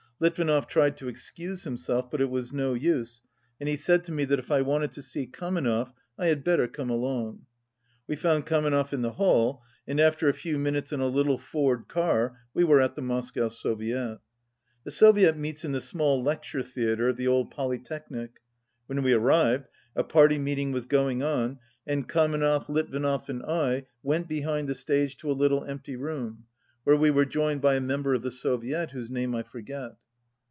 Litvinov tried to excuse himself, but it was no use, and he said to me that if I wanted to see Kamenev I had better come along. We found Kamenev in the hall, and after a few minutes in a little Ford car we were at the Moscow Soviet. The Soviet meets in the small iectiire theatre of the old Poly technic. When we arrived, a party meeting was going on, and Kamenev, Litvinov, and I went behind the stage to a littl^e empty room, where we were joined by a member of the Soviet whose name I forget.